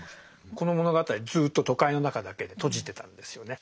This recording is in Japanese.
この物語ずっと都会の中だけで閉じてたんですよね。